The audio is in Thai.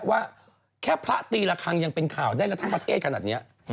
ว่าแค่พระตีละครั้งยังเป็นข่าวได้แล้วทั้งประเทศขนาดนี้